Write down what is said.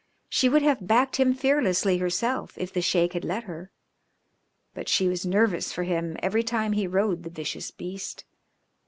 She would have backed him fearlessly herself if the Sheik had let her, but she was nervous for him every time he rode the vicious beast.